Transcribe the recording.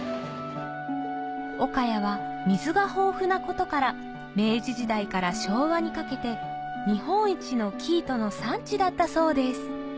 岡谷は水が豊富なことから明治時代から昭和にかけて日本一の生糸の産地だったそうです